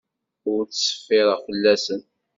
Ur ttṣeffireɣ fell-asen.